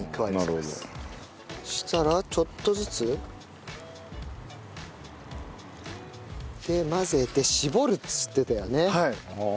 そしたらちょっとずつ。で混ぜて絞るっつってたよね。